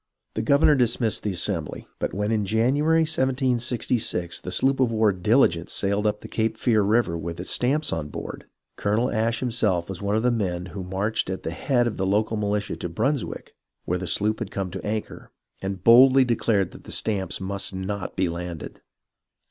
The gov ernor dismissed the Assembly ; but when in January, 1766, the sloop of war Diligence sailed up the Cape Fear River with its stamps on board, Colonel Ashe himself was one of the men who marched at the head of the local militia to Brunswick, where the sloop had come to anchor, and boldly declared that the stamps must not be landed.